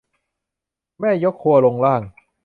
แม่ยกครัวลงล่าง